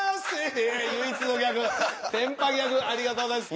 唯一のギャグ天パギャグありがとうございます。